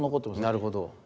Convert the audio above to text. なるほど。